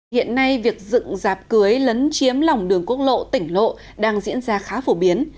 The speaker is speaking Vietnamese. hiện nay việc dựng dạp cưới lấn chiếm lòng đường quốc lộ tỉnh lộ đang diễn ra khá phổ biến